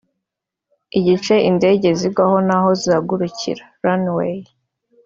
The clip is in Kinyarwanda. Igice indege zigwaho n’aho zihagurukira (Runway)